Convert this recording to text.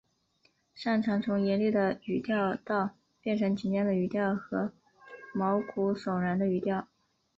善长从严厉的语调到变成紧张的语调和毛骨悚然的语调。